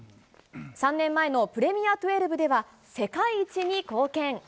３年前のプレミア１２では、世界一に貢献。